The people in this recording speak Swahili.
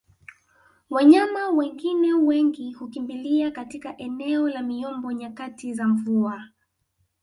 Wanyama wengine wengi hukimbilia katika eneo la miombo nyakati za mvua